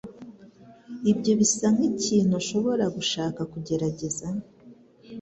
Ibyo bisa nkikintu ushobora gushaka kugerageza?